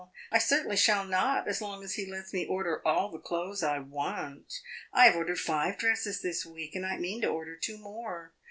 I certainly shall not as long as he lets me order all the clothes I want. I have ordered five dresses this week, and I mean to order two more.